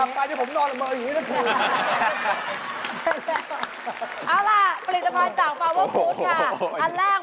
กลับมานะที่ผมนอนหน่อยมาเอาอยู่นี่กันเลยค่ะ